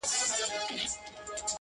• له نسیم سره له څانګو تویېدلای -